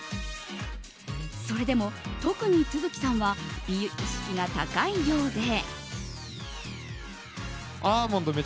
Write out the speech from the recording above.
それでも、特に都築さんは美意識が高いようで。